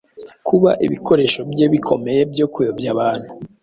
kuba ibikoresho bye bikomeye byo kuyobya abantu.